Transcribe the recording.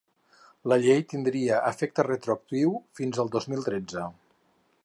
La llei tindria efecte retroactiu fins el dos mil tretze.